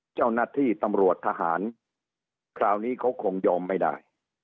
เจ้าหน้าที่ตำรวจทหารคราวนี้เขาคงยอมไม่ได้